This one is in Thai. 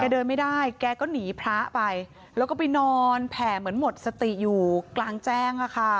เดินไม่ได้แกก็หนีพระไปแล้วก็ไปนอนแผ่เหมือนหมดสติอยู่กลางแจ้ง